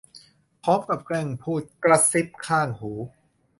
พร้อมกับแกล้งพูดกระซิบข้างหู